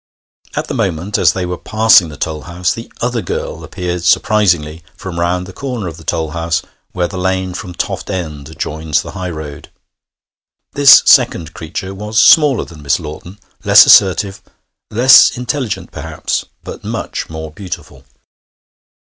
At the moment, as they were passing the toll house, the other girl appeared surprisingly from round the corner of the toll house, where the lane from Toft End joins the highroad. This second creature was smaller than Miss Lawton, less assertive, less intelligent, perhaps, but much more beautiful.